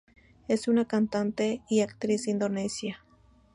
Es una cantante y actriz indonesia.